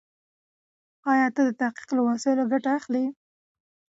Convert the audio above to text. ايا ته د تحقيق له وسایلو ګټه اخلې؟